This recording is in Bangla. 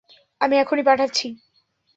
আমি এখনই পাঠাচ্ছি।